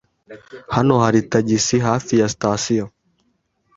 Hano hari tagisi hafi ya sitasiyo.